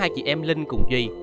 đã chở hai chị em linh cùng duy